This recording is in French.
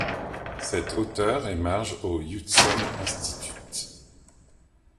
Cet auteur émarge au Hudson Institute.